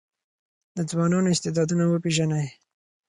د ځوانانو استعدادونه وپېژنئ.